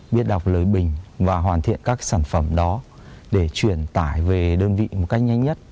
biết đọc lời bình và hoàn thiện các sản phẩm đó để truyền tải về đơn vị một cách nhanh nhất